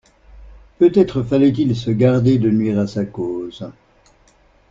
Peut-être fallait-il se garder de nuire à sa cause.